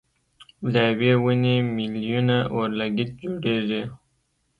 له یوې ونې مېلیونه اورلګیت جوړېږي.